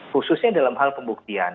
khususnya dalam hal pembuktian